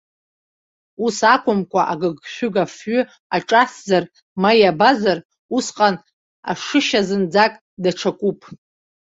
Ус акәымкәа, агыгшәыг афҩы аҿасзар, ма иабазар, усҟан ашышьа зынӡаск даҽакуп.